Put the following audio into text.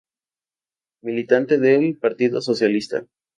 Militante del Partido Socialista.